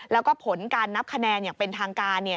แล้วก็ผลการนับคะแนนอย่างเป็นทางการ